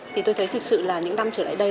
thì tôi thấy thực sự là những năm trở lại đây